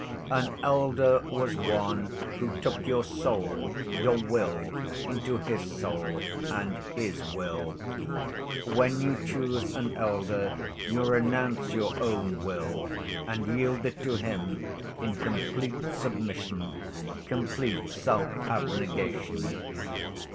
An elder was one who took your soul, your will, into his soul and his will. When you choose an elder, you renounce your own will and yield it to him in complete submission, complete self‐ abnegation.